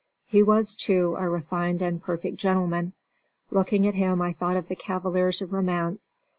He was, too, a refined and perfect gentleman. Looking at him I thought of the cavaliers of romance.